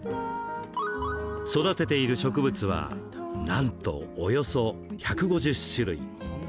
育てている植物はなんと、およそ１５０種類。